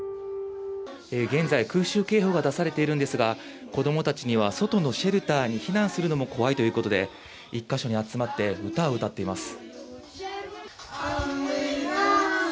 現在空襲警報が出されているんですが子供達は外のシェルターに避難するのも怖いということで１か所に集まって歌を歌っています。